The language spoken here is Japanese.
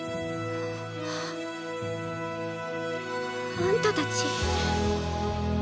あんたたち。